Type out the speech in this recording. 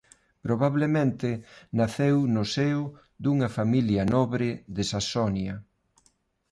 Probablemente naceu no seo dunha familia nobre de Saxonia.